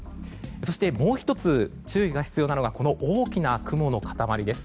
そして、もう１つ注意が必要なのがこの大きな雲の塊です。